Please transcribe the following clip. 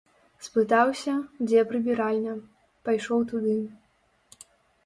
Спытаўся, дзе прыбіральня, пайшоў туды.